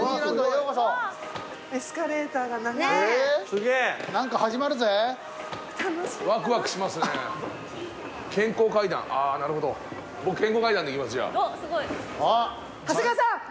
長谷川さん！